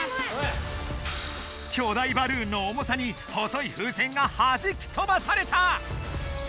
巨大バルーンの重さに細い風船がはじきとばされた！